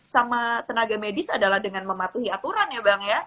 sama tenaga medis adalah dengan mematuhi aturan ya bang ya